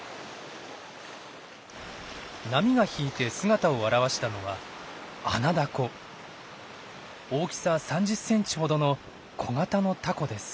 波が引いて姿を現したのは大きさ３０センチほどの小型のタコです。